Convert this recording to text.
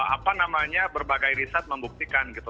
apa namanya berbagai riset membuktikan gitu